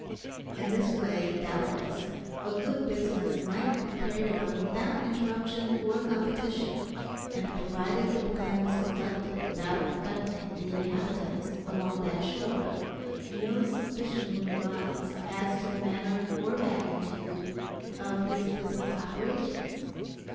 In this way, doubtless, a good business might be carried on without interruption or competition, and provided the plan was conducted without affecting the inhabitants along that shore, no suspicion would arise as to the manner or magnitude of his business operations.